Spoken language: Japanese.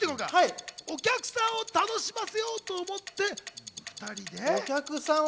お客さんを楽しませようと思って。